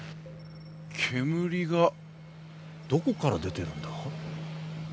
煙がどこから出てるんだ？ＯＫ！